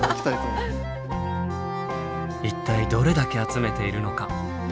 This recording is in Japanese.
一体どれだけ集めているのか。